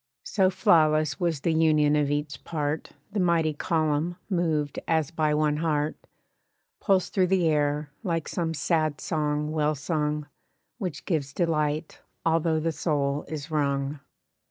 So flawless was the union of each part The mighty column (moved as by one heart) Pulsed through the air, like some sad song well sung, Which gives delight, although the soul is wrung.